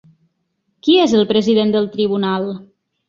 Qui és el president del tribunal?